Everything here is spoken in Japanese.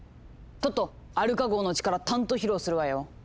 トットアルカ号の力たんと披露するわよ！